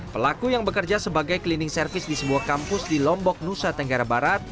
pelaku yang bekerja sebagai cleaning service di sebuah kampus di lombok nusa tenggara barat